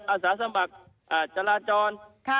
อาสาสมัครจราจร